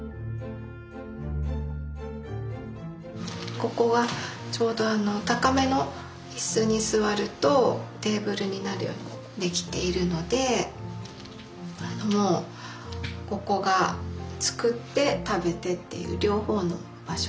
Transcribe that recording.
ここはちょうど高めの椅子に座るとテーブルになるように出来ているのでもうここが作って食べてっていう両方の場所になってます。